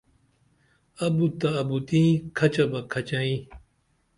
ابُت تہ ابُت تئیں کھچہ بہ کھچئیں